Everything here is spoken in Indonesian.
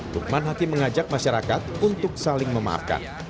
lukman hakim mengajak masyarakat untuk saling memaafkan